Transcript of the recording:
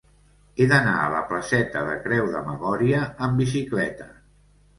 He d'anar a la placeta de Creu de Magòria amb bicicleta.